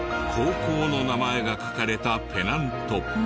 高校の名前が書かれたペナント。